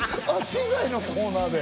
資材のコーナーで？